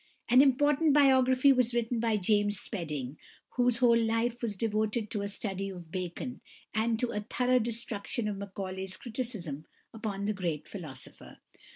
An important biography was written by =James Spedding (1810 1881)=, whose whole life was devoted to a study of Bacon, and to a thorough destruction of Macaulay's criticism upon the great philosopher.